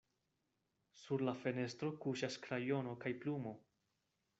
Sur la fenestro kuŝas krajono kaj plumo.